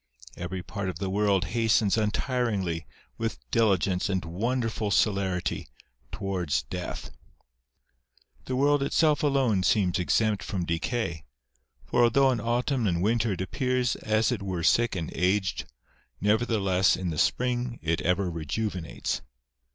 Every part of the world hastens untiringly, with diligence and wonderful celerity, towards death. ^ The world itself alone seems exempt from decay; for although in autumn and winter it appears as it were sick and aged, nevertheless in the spring it ever rejuvenates.